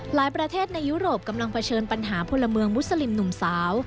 หลายประเทศในยุโรปกำลังเผชิญปัญหาพลเมืองมุสลิมหนุ่มสาว